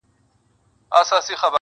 o موږ ئې غله تا دي خدای را جوړ کي.